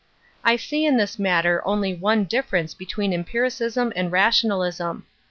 I see in this matter only one difference '^^ between empiricism and rationalism.